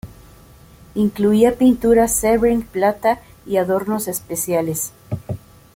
Incluía pintura Sebring Plata y adornos especiales.